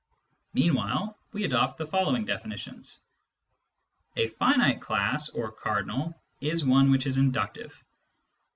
Meanwhile, we adopt the following definitions :—& finite class or cardinal is one which is inductive.